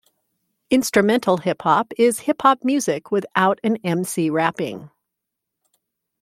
Instrumental hip hop is hip hop music without an emcee rapping.